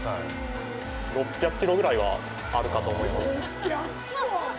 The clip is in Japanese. ６００キロぐらいはあるかと思います。